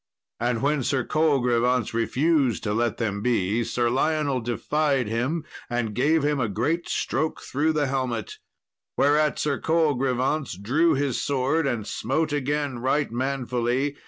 And when Sir Colgrevance refused to let them be, Sir Lionel defied him, and gave him a great stroke through the helmet, whereat Sir Colgrevance drew his sword, and smote again right manfully.